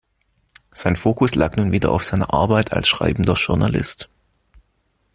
Sein Fokus lag nun wieder auf seiner Arbeit als schreibender Journalist.